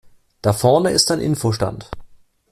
Da vorne ist ein Info-Stand.